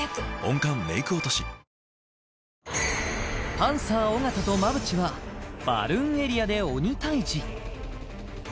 パンサー・尾形と馬淵はバルーンエリアで鬼タイジ